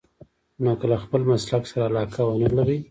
نو که له خپل مسلک سره علاقه ونه لرئ.